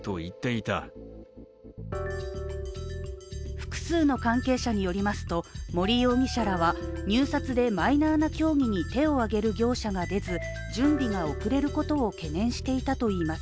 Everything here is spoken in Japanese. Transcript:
複数の関係者によりますと、森容疑者らは入札でマイナーな競技に手を挙げる業者が出ず準備が遅れることを懸念していたといいます。